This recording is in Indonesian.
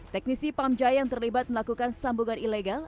teknisi pamjaya yang terlibat melakukan sambungan ilegal